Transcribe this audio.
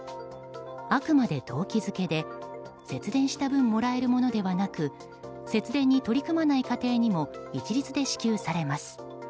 あくまで動機づけで節電した分もらえるものではなく節電に取り組まない家庭にも一律で支給されます。